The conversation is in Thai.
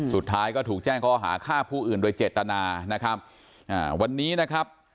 สุดท้ายก็ถูกแจ้งข้อหาฆ่าผู้อื่นโดยเจตนานะครับอ่าวันนี้นะครับ